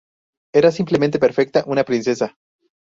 Era simplemente perfecta, una princesa.